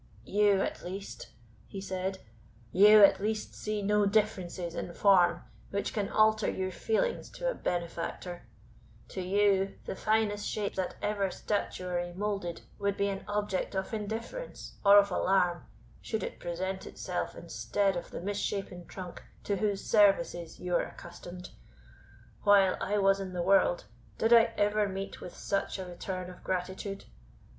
"You, at least," he said "you, at least, see no differences in form which can alter your feelings to a benefactor to you, the finest shape that ever statuary moulded would be an object of indifference or of alarm, should it present itself instead of the mis shapen trunk to whose services you are accustomed. While I was in the world, did I ever meet with such a return of gratitude?